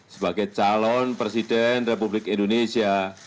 sebagai calon presiden republik indonesia